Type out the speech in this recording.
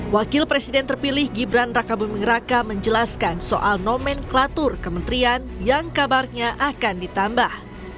wakil presiden terpilih gibran raka buming raka menjelaskan soal nomenklatur kementerian yang kabarnya akan ditambah